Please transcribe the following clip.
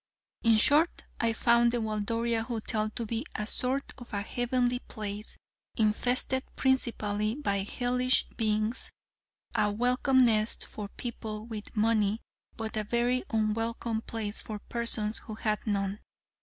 In short, I found the Waldoria Hotel to be a sort of a heavenly place, infested principally by hellish beings a welcome nest for people with money but a very unwelcome place for persons who had none.